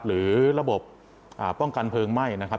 หรือระบบป้องกันเพลิงไหม้นะครับ